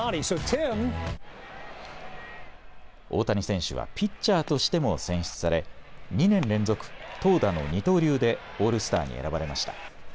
大谷選手はピッチャーとしても選出され２年連続、投打の二刀流でオールスターに選ばれました。